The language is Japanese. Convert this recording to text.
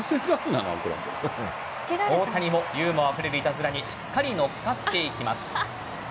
大谷もユーモアあふれるいたずらにしっかり乗っかっていきます。